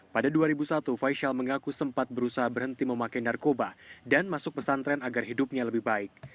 pada dua ribu satu faisal mengaku sempat berusaha berhenti memakai narkoba dan masuk pesantren agar hidupnya lebih baik